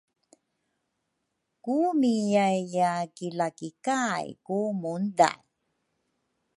Ku miyaiya ki lakikay ku munday